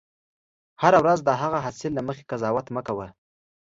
هره ورځ د هغه حاصل له مخې قضاوت مه کوه.